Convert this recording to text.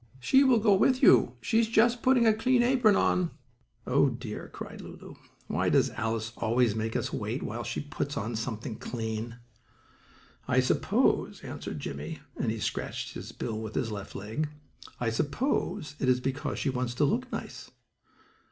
"She will go with you. She is just putting a clean apron on." "Oh, dear!" cried Lulu. "Why does Alice always make us wait while she puts on something clean?" "I suppose," answered Jimmie, and he scratched his bill with his left leg, "I suppose it is because she wants to look nice."